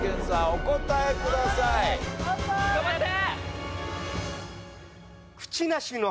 お答えください。頑張って！